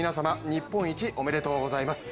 日本一、おめでとうございます。